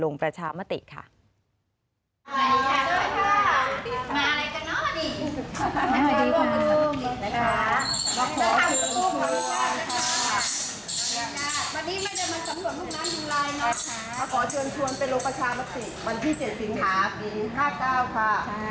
วันเกราะ๘โมงถึง๑๖นาฬิกานะคะ